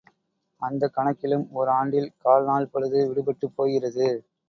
அந்தக் கணக்கிலும், ஓர் ஆண்டில் கால் நாள் பொழுது விடுபட்டுப் போகிறது.